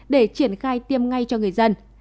để triển khai tiêm ngay cho người dân